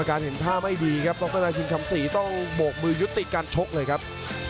การเห็นท่าไม่ดีครับดรนาชินคำศรีต้องโบกมือยุติการชกเลยครับ